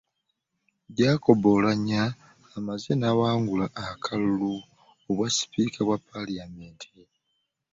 Jacob Oulanya amaze n'awangula akalulu 'obwa sipiika wa ppaalamenti.